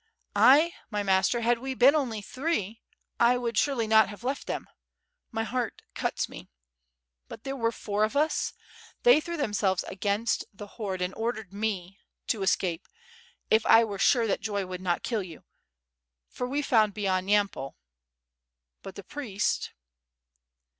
"T, my master, had we been only three, T would surely not liave left them, .... my heart cuts me .... but there were four of us; .. they threw themselves against the horde WITH FIRE AND SWORD, 803 and ordered me .... to escape .... if I were sure that joy that would not kill you .... for we found beyond Yampol .... but the priest